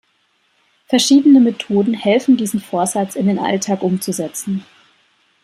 Verschiedene Methoden helfen diesen Vorsatz in den Alltag umzusetzen.